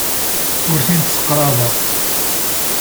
Ur ten-id-sseqrabeɣ.